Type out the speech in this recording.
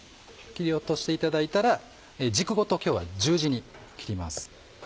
切り落としていただいたら軸ごと今日は十字に切ります。